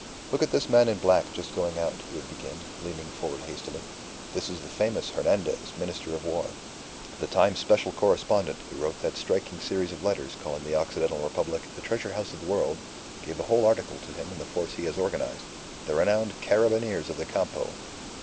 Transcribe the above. "Look at this man in black just going out," he would begin, leaning forward hastily. "This is the famous Hernandez, Minister of War. The Times' special correspondent, who wrote that striking series of letters calling the Occidental Republic the 'Treasure House of the World,' gave a whole article to him and the force he has organized the renowned Carabineers of the Campo."